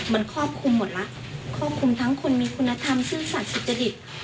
มันครอบคลุมหมดแล้วครอบคลุมทั้งคนมีคุณธรรมซื่อสัตว์สุจริต